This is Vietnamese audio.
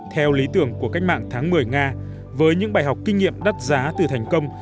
theo lý tưởng của cách mạng tháng một mươi nga với những bài học kinh nghiệm đắt giá từ thành công